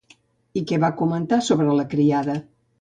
I què va comentar sobre la criada?